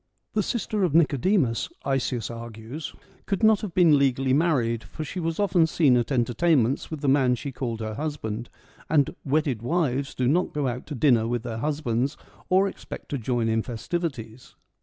The sister of Nicodemus, Isaeus argues, could not have been legally married, for she was often seen at entertainments with the man she called her husband, and ' wedded wives do not go out to dinner with their husbands, or expect to join in festivities.'